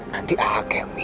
nanti a kemin